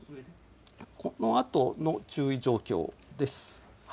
このあとの注意状況です。